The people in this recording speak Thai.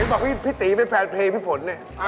ได้บอกว่าพี่ตีเป็นแฟนเพลงพี่ฝน